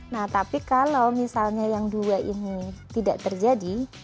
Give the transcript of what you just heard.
nah tapi kalau misalnya yang dua ini tidak terjadi